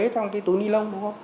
trong cái túi ni lông đúng không